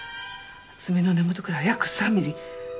爪の根元から約３ミリ。